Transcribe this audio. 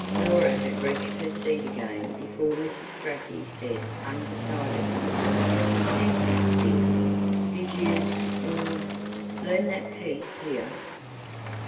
Laura had reached her seat again before Mrs. Strachey said undecidedly: "Thank you, dear. Did you ... hm ... learn that piece here?"